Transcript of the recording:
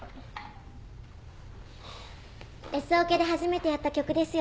Ｓオケで初めてやった曲ですよね。